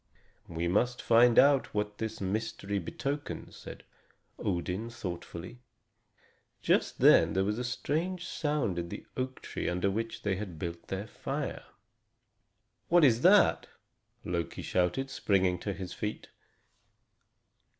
"We must find out what this mystery betokens," said Odin thoughtfully. Just then there was a strange sound in the oak tree under which they had built their fire. "What is that?" Loki shouted, springing to his feet.